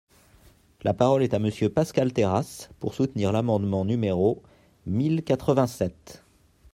La parole est à Monsieur Pascal Terrasse, pour soutenir l’amendement numéro mille quatre-vingt-sept.